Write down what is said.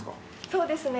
そうですね。